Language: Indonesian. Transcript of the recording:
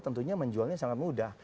tentunya menjualnya sangat mudah